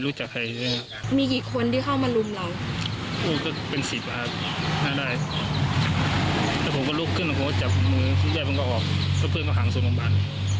รู้แบบว่ามันเข้ามาออกเพื่อนก็หางที่ส่วนพังบ้าน